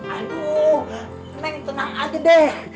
aduh senang tenang aja deh